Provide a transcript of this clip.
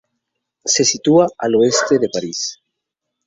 Se sitúa al oeste de París.